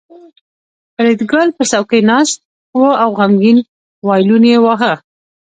فریدګل په څوکۍ ناست و او غمګین وایلون یې واهه